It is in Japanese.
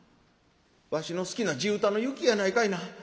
わしの好きな地唄の『雪』やないかいな。